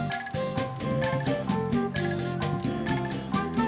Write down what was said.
ayo satu lagi berangkat satu lagi